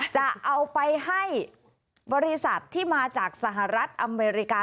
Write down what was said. จะเอาไปให้บริษัทที่มาจากสหรัฐอเมริกา